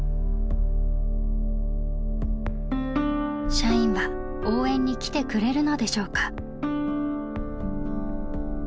社員は応援に来てくれるのでしょうか。